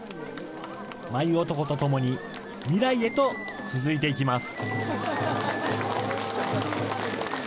舞男とともに未来へと続いていきます。